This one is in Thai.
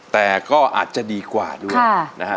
แต่ก็อาจจะดีกว่าด้วยนะฮะ